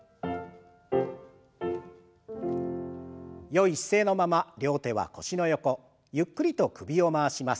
よい姿勢のまま両手は腰の横ゆっくりと首を回します。